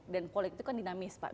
dan politik kan dinamis pak